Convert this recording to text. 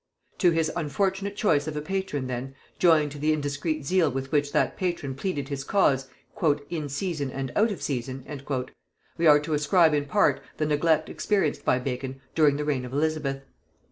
To his unfortunate choice of a patron then, joined to the indiscreet zeal with which that patron pleaded his cause "in season and out of season," we are to ascribe in part the neglect experienced by Bacon during the reign of Elizabeth.